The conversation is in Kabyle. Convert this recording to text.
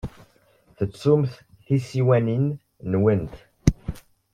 Tettumt tisiwanin-nwent.